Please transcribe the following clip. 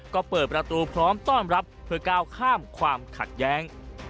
ก็เปิดประตูพร้อมต้อนรับเพื่อก้าวข้ามความขัดแย้ง